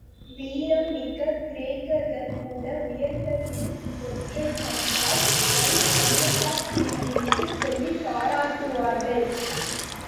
வீரம் மிக்க கிரேக்கர்கள் கூட உயர்ந்த வில் ஒன்றைக் கண்டால், அதை அமெசான் வில் என்று சொல்லிப் பாராட்டுவார்கள்.